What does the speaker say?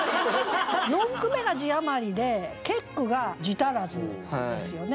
四句目が字余りで結句が字足らずですよね。